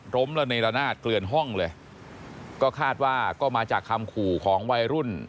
ระเนละนาดเกลือนห้องเลยก็คาดว่าก็มาจากคำขู่ของวัยรุ่น